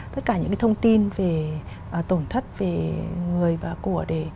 tất cả những cái thông tin về tổn thất về người và của để